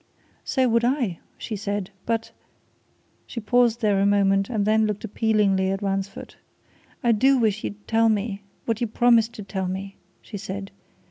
"So would I!" she said. "But " She paused there a moment and then looked appealingly at Ransford. "I do wish you'd tell me what you promised to tell me," she said.